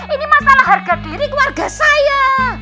ini masalah harga diri keluarga saya